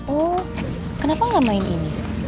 oh kenapa gak main ini